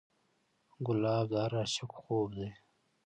ګلاب د هر عاشق خوب دی.